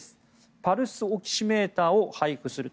パルスオキシメーターを配布すると。